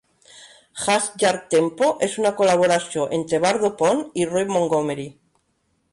Hash Jar Tempo és una col·laboració entre Bardo Pond i Roy Montgomery.